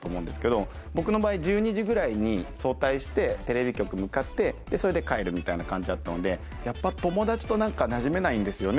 僕の場合１２時ぐらいに早退してテレビ局向かってでそれで帰るみたいな感じだったのでやっぱ友達となじめないんですよね